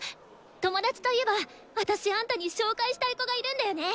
友達といえば私あんたに紹介したい子がいるんだよね！